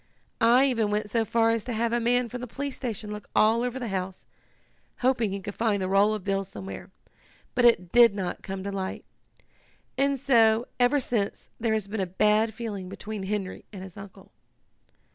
I even went so far as to have a man from the police station look all over the house, hoping he could find the roll of bills somewhere, but it did not come to light. And so, ever since, there has been a bad feeling between Henry and his uncle."